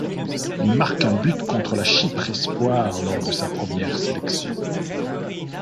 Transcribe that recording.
Il marque un but contre la Chypre espoirs lors de sa première sélection.